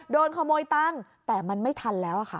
โดนขโมยตั้งแต่มันไม่ทันแล้วค่ะ